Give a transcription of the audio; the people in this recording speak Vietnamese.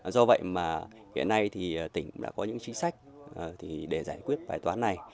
do vậy mà hiện nay thì tỉnh đã có những chính sách để giải quyết bài toán này